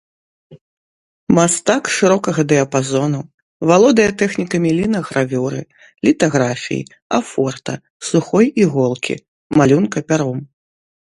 Мастак шырокага дыяпазону, валодае тэхнікамі лінагравюры, літаграфіі, афорта, сухой іголкі, малюнка пяром.